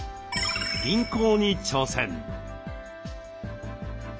輪行に挑戦。